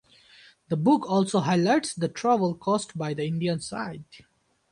The book also highlights the trouble caused by the Indian side.